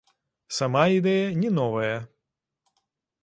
Сама ідэя не новая.